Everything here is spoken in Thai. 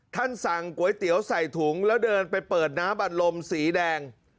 ท่านสั่งก๋วยเตี๋ยวใส่ถุงแล้วเดินไปเปิดน้ำอัดลมสีแดง